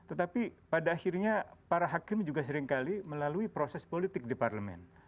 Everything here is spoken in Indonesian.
tetapi pada akhirnya para hakim juga seringkali melalui proses politik di parlemen